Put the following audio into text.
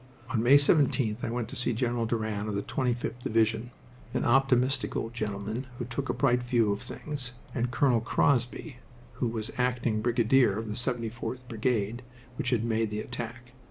On May 17th I went to see General Doran of the 25th Division, an optimistic old gentleman who took a bright view of things, and Colonel Crosby, who was acting brigadier of the 74th Brigade, which had made the attack.